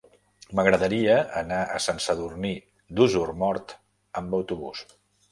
M'agradaria anar a Sant Sadurní d'Osormort amb autobús.